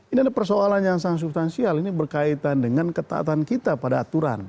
ini adalah persoalan yang sangat substansial ini berkaitan dengan ketaatan kita pada aturan